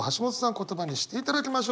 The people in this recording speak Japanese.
言葉にしていただきましょう。